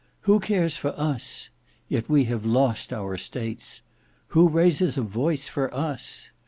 Who cares for us? Yet we have lost our estates. Who raises a voice for us?